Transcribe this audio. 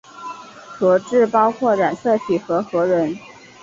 核质包括染色体和核仁。